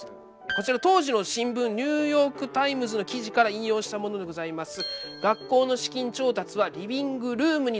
こちら当時の新聞「ニューヨーク・タイムズ」の記事から引用したものでございます。